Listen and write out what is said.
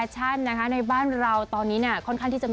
ใช่แล้วคะ